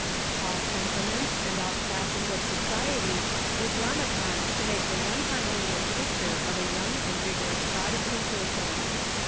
All temperaments and all classes of society were drawn upon to make the one harmonious picture of a young and vigorous Protestantism.